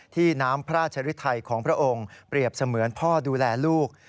น้ำพระราชริไทยของพระองค์เปรียบเสมือนพ่อดูแลลูก